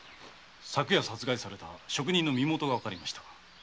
昨夜殺害された職人の身元がわかりました。